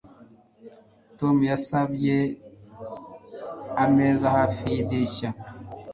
Tom yasabye ameza hafi yidirishya